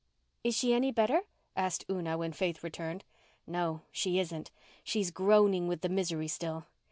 "Is she any better?" asked Una, when Faith returned. "No, she isn't. She's groaning with the misery still.